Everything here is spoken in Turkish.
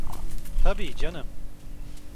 Tabii canım.